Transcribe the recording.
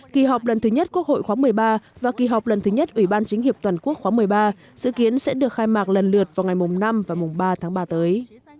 kỳ họp lần thứ nhất quốc hội khóa một mươi ba và kỳ họp lần thứ nhất ủy ban chính hiệp toàn quốc khoáng một mươi ba dự kiến sẽ được khai mạc lần lượt vào ngày năm và ba tháng ba tới